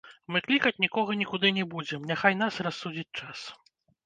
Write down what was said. Мы клікаць нікога нікуды не будзем, няхай нас рассудзіць час.